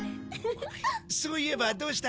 そういえばどうした？